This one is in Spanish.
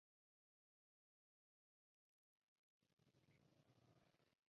o sea, que como eres amiga de Palomares